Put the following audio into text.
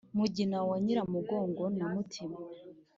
mugina wa nyiramugogoma na mutima